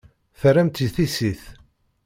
Terram-tt i tissit.